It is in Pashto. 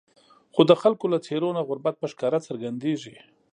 خو د خلکو له څېرو نه غربت په ښکاره څرګندېږي.